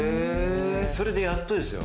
それでやっとですよ。